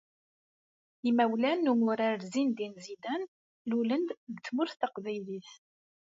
Imawlan n umurar Zineddine Zidane lulen-d deg Tmurt Taqbaylit.